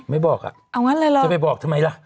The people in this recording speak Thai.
ไม่บอกอะจะไปบอกทำไมล่ะ